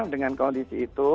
dengan kondisi itu